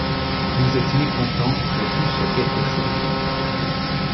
Vous êtes mécontents que tout soit quelque chose ;